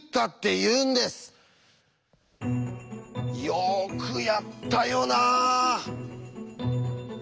よくやったよなあ！